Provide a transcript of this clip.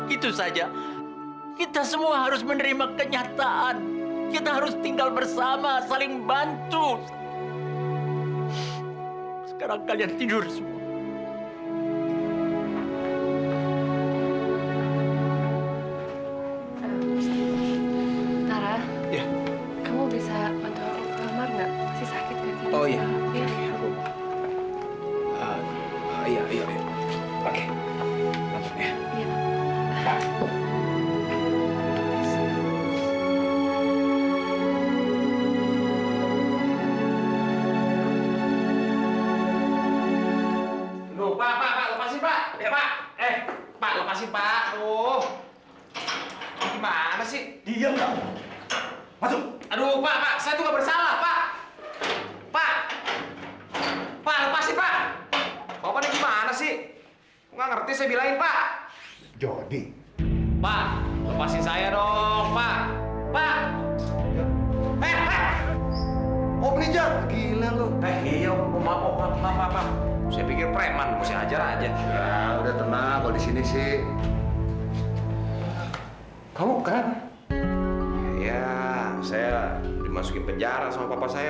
iya saya dimasukin penjara sama bapak saya om